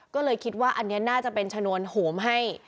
ก็เลยคิดว่าอันนี้น่าจะเป็นชนวนโหมให้